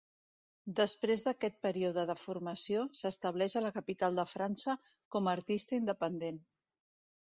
Després d'aquest període de formació, s'estableix a la capital de França com a artista independent.